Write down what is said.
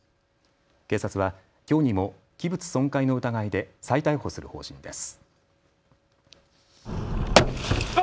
警察は、きょうにもも器物損壊の疑いで再逮捕する方針です。